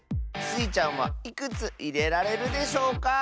スイちゃんはいくついれられるでしょうか？